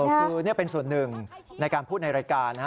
คือนี่เป็นส่วนหนึ่งในการพูดในรายการนะฮะ